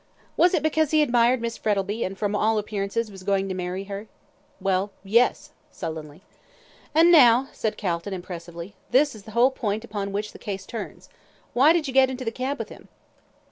"Was it because he admired Miss Frettlby, and from all appearances, was going to marry her?" "Well, yes," sullenly. "And now," said Calton, impressively, "this is the whole point upon which the case turns. Why did you get into the cab with him?"